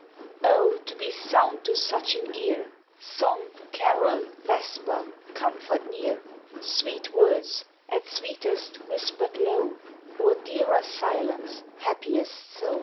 Oh, to be sound to such an ear! Song, carol, vesper, comfort near, Sweet words, at sweetest, whispered low, Or dearer silence, happiest so.